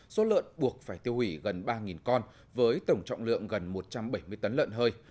số lợn buộc phải tiêu hủy gần ba con với tổng trọng lượng gần một trăm bảy mươi tấn lợn hơi